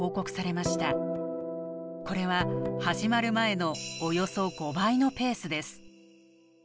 これは始まる前のおよそ５倍のペースです。